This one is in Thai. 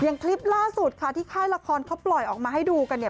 อย่างคลิปล่าสุดค่ะที่ค่ายละครเขาปล่อยออกมาให้ดูกันเนี่ย